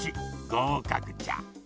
ごうかくじゃ。